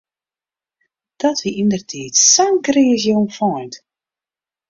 Dat wie yndertiid sa'n kreas jongfeint.